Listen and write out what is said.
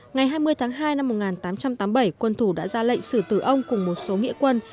ngày hai mươi tháng hai năm một nghìn tám trăm tám mươi bảy quân thủ đã ra lệnh sử tử ông cùng một số nghĩa quân